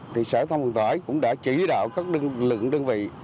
thì sở thông hồ tải cũng đã chỉ đạo các lực lượng đơn vị